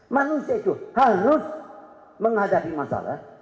manusia itu harus menghadapi masalah